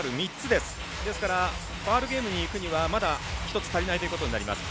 ですからファウルゲームにいくにはまだ１つ足りないということになります。